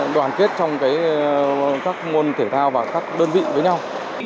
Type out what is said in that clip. đoàn kết trong các môn thể thao và các đơn vị với nhau